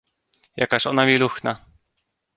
"jakaż ona miluchna!"